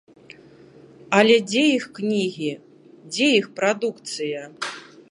Але дзе іх кнігі, дзе іх прадукцыя?!